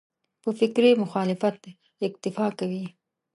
په فکري مخالفت اکتفا کوي.